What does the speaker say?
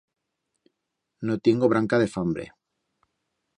No tiengo branca de fambre.